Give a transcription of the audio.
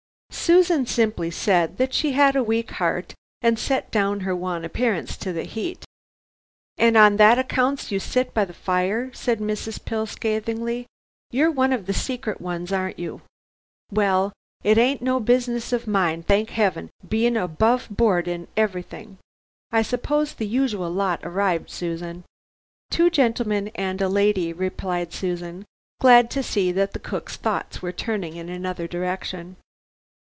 Susan simply said that she had a weak heart, and set down her wan appearance to the heat. "An' on that accounts you sits by the fire," said Mrs. Pill scathingly. "You're one of the secret ones you are. Well, it ain't no business of mine, thank 'eaven, me being above board in everythink. I 'spose the usual lot arrived, Susan?" "Two gentlemen and a lady," replied Susan, glad to see that the cooks thoughts were turning in another direction.